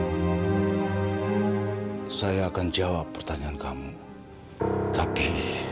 saya akan jawab pertanyaan kamu tapi